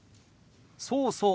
そうそう。